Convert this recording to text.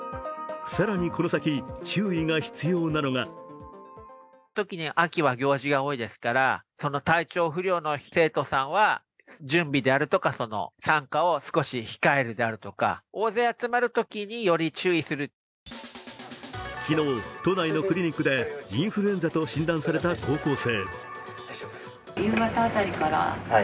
更にこの先、注意が必要なのが昨日、都内のクリニックでインフルエンザと診断された高校生。